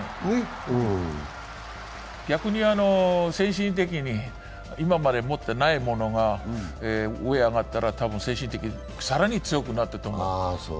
逆に精神的に今まで持ってないものが、上に揚がったら多分、精神的に更に強くなっていると思う。